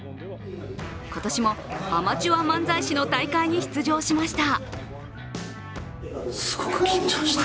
今年もアマチュア漫才師の大会に出場しました。